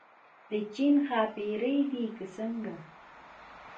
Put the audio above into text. د چین ښاپېرۍ دي که څنګه.